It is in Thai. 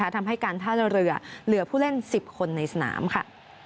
ทำให้การท่าเรือเหลือผู้เล่น๑๐คนในสนามค่ะ